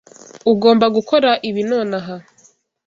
Ugomba gukora ibi nonaha?